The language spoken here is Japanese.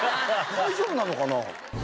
大丈夫なのかな？